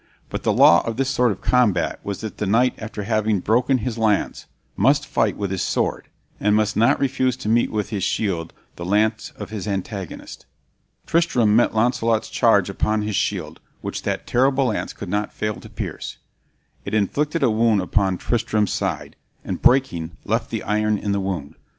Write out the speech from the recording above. But the law of this sort of combat was that the knight after having broken his lance must fight with his sword, and must not refuse to meet with his shield the lance of his antagonist. Tristram met Launcelot's charge upon his shield, which that terrible lance could not fail to pierce. It inflicted a wound upon Tristram's side, and, breaking, left the iron in the wound.